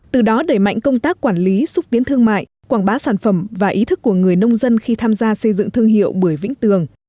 từ đó đẩy mạnh công tác quản lý xúc tiến thương mại quảng bá sản phẩm và ý thức của người nông dân khi tham gia xây dựng thương hiệu bưởi vĩnh tường